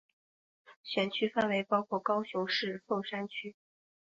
选区范围包括高雄市凤山区。